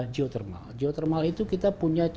jio termal jio termal itu kita punya